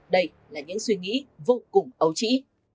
đây là những suy nghĩ vô cùng ấu trĩ